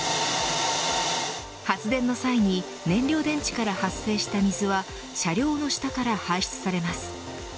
発電の際に燃料電池から派生した水は車両の下から排出されます。